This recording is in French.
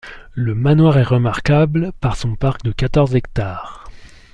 Le manoir est remarquable par son parc de quatorze hectares.